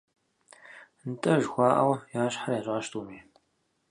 «НтӀэ», жыхуаӀэу, я щхьэр ящӀащ тӀуми.